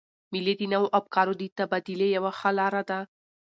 مېلې د نوو افکارو د تبادلې یوه ښه لاره ده.